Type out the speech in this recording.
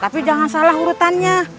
tapi jangan salah urutannya